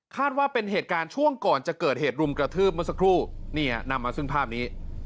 ว่าเป็นเหตุการณ์ช่วงก่อนจะเกิดเหตุรุมกระทืบเมื่อสักครู่นี่นำมาซึ่งภาพนี้